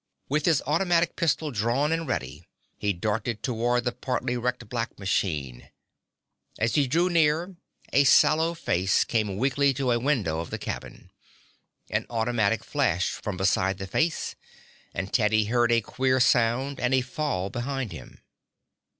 With his automatic pistol drawn and ready, he darted toward the partly wrecked black machine. As he drew near a sallow face came weakly to a window of the cabin. An automatic flashed from beside the face and Teddy heard a queer sound and a fall behind him.